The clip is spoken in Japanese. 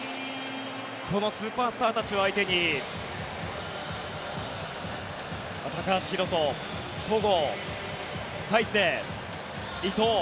このスーパースターたちを相手に高橋宏斗、戸郷、大勢、伊藤。